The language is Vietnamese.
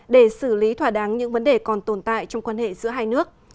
để xử lý thỏa đáng những vấn đề còn tồn tại trong quan hệ giữa hai nước